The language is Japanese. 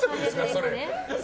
それ。